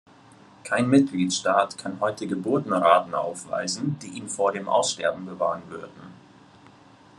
Kein Mitgliedstaat kann heute Geburtenraten aufweisen, die ihn vor dem Aussterben bewahren würden.